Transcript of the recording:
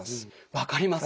分かります。